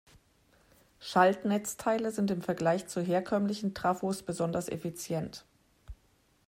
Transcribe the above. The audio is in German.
Schaltnetzteile sind im Vergleich zu herkömmlichen Trafos besonders effizient.